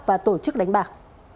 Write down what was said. và tổ chức đánh bạc